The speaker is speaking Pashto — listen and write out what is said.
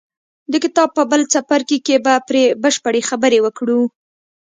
د کتاب په بل څپرکي کې به پرې بشپړې خبرې وکړو.